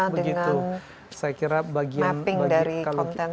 dengan mapping dari konten